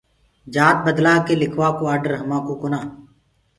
جآت بدلآ ڪي لِکوآ ڪو آڊر همآنٚڪو ڪونآ۔